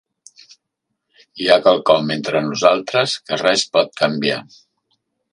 Hi ha quelcom entre nosaltres que res pot canviar.